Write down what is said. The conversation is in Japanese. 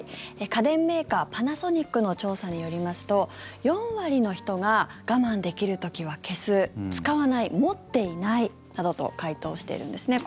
家電メーカー、パナソニックの調査によりますと４割の人が我慢できる時は消す使わない持っていないなどと回答しているんですね。